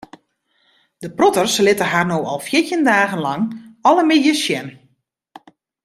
De protters litte har no al fjirtjin dagen lang alle middeis sjen.